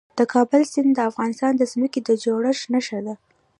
د کابل سیند د افغانستان د ځمکې د جوړښت نښه ده.